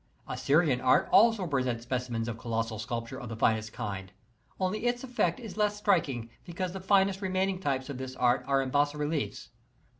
* Assyrian art also presents specimens of colossal sculp ture of the finest kind, only its effect is less striking because the finest remaining types of this art are in bas reliefs.